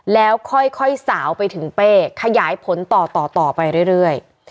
แล้วค่อยสาวไปถึงเป้ขยายผลต่อต่อไปเรื่อย